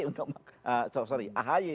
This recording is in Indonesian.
untuk ah sorry ahy